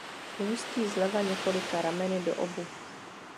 Ústí zleva několika rameny do Obu.